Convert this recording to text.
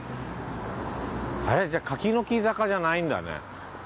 えっじゃあ柿の木坂じゃないんだね。